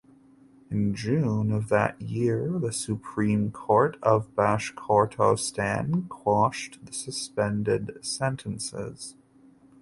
In June of that year the Supreme Court of Bashkortostan quashed the suspended sentences.